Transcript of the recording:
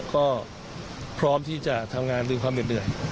ก็พร้อมที่จะทำงานด้วยความเหน็ดเหนื่อย